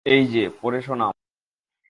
এইযে -- পড়ে শোনা আমাকে।